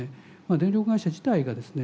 電力会社自体がですね